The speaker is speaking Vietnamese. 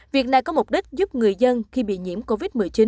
việc này có mục đích giúp người dân khi bị nhiễm covid một mươi chín